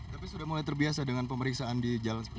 tapi sudah mulai terbiasa dengan pemeriksaan di jalanan